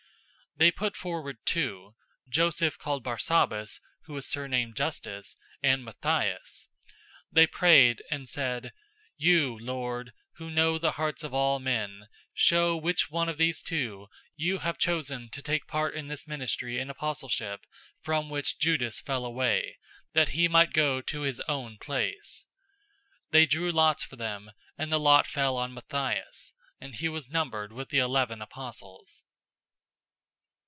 001:023 They put forward two, Joseph called Barsabbas, who was surnamed Justus, and Matthias. 001:024 They prayed, and said, "You, Lord, who know the hearts of all men, show which one of these two you have chosen 001:025 to take part in this ministry and apostleship from which Judas fell away, that he might go to his own place." 001:026 They drew lots for them, and the lot fell on Matthias, and he was numbered with the eleven apostles.